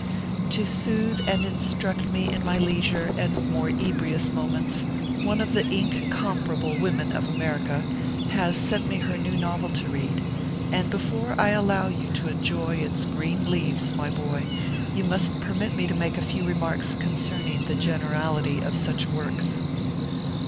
To soothe and instruct me in my leisure and more ebrious moments, one of the ink comparable women of America has sent me her new novel to read ; and before I allow you to enjoy its green leaves, my boy, you must permit me to make a few remarks concern ing the generality of such works.